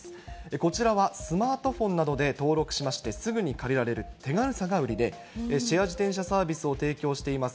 こちらはスマートフォンなどで登録しまして、すぐに借りられる手軽さが売りで、シェア自転車サービスを提供しています